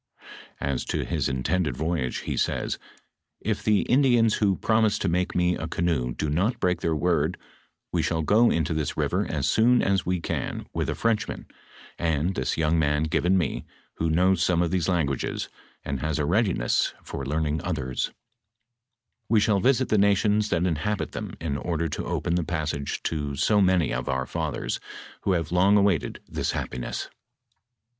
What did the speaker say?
As to his intended voyage, he says, " If the In dians who promise to make me a canoe do not break their word, we shall go into this river as soon as we can with a Frenchman and this young man given me, who knows some of these languages, and has a readiness for learning othere ; we shall visit the nations that inhabit them in order to open the passage to so many of our fathers, who have long awaited this happiness.